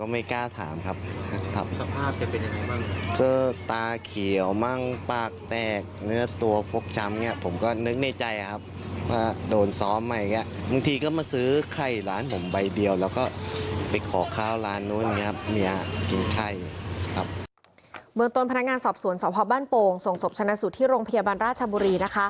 เมืองต้นพนักงานสอบสวนสพบ้านโป่งส่งศพชนะสูตรที่โรงพยาบาลราชบุรี